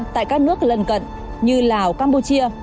tại các nước lân cận như lào campuchia